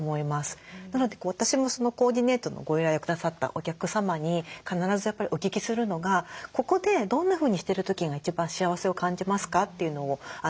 なので私もコーディネートのご依頼をくださったお客様に必ずやっぱりお聞きするのが「ここでどんなふうにしてる時が一番幸せを感じますか？」というのをお聞きするんですね。